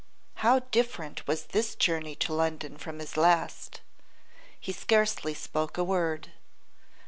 How different was this journey to London from his last! He scarcely spoke a word.